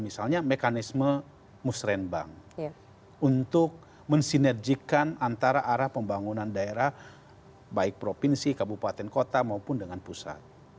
misalnya mekanisme musrembang untuk mensinerjikan antara arah pembangunan daerah baik provinsi kabupaten kota maupun dengan pusat